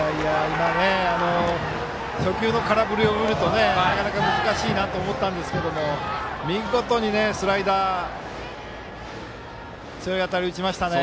初球の空振りを見るとなかなか難しいなと思ったんですが見事にスライダー強い当たりを打ちました。